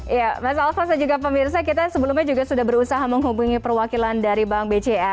iya mas alpha dan juga pemirsa kita sebelumnya juga sudah berusaha menghubungi perwakilan dari bank bca